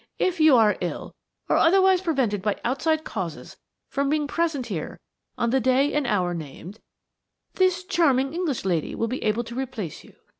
If you are ill or otherwise prevented by outside causes from being present here on the day and hour named, this charming English lady will be able to replace you.